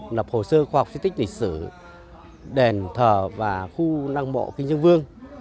khi mà lập hồ sơ khoa học diện tích lịch sử đền thờ và khu năng mộ kinh dương vương